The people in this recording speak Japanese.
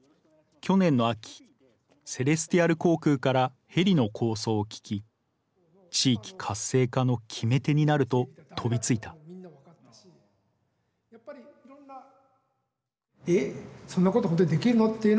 去年の秋セレスティアル航空からヘリの構想を聞き地域活性化の決め手になると飛びついたえっ！